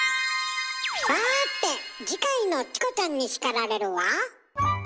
さて次回の「チコちゃんに叱られる」は？